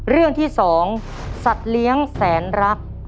เรื่องที่๒สัตว์เลี้ยงแสนรัก